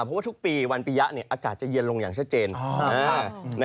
เพราะว่าทุกปีวันปียะอากาศจะเย็นลงอย่างชัดเจน